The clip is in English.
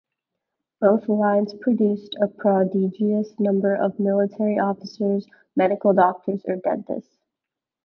Both lines produced a prodigious number of military officers, medical doctors, or dentists.